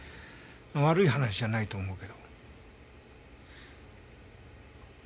悪い話じゃないと思うけど。